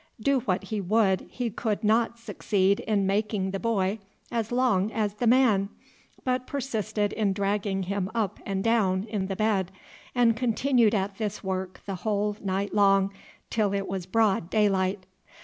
Do what he would he could not succeed in making the boy as long as the man, but persisted in dragging him up and down in the bed, and continued at this work the whole night long till it was broad daylight.